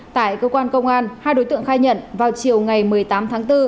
tại cơ quan công an hai đối tượng khai nhận vào chiều ngày một mươi tám tháng bốn